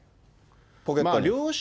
ポケットに。